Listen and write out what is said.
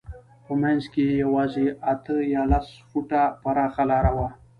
په منځ کې یې یوازې اته یا لس فوټه پراخه لاره وه.